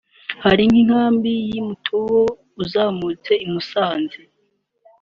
Hari nk inkambi y’i Mutobo uzamutse i Musanze